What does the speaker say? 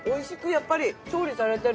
やっぱり調理されてる。